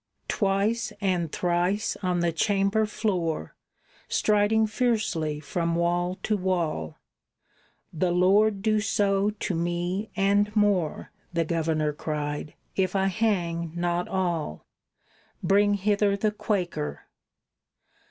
Twice and thrice on the chamber floor Striding fiercely from wall to wall, "The Lord do so to me and more," The Governor cried, "if I hang not all! Bring hither the Quaker."